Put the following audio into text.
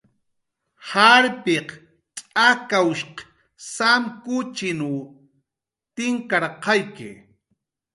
Jarpiq tz'akawshq samkuchinw tinkirqayki